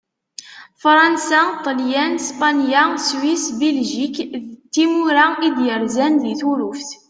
Fṛansa, Ṭelyan, Spanya, Swis, Biljik d timura i d-yerzan di Turuft.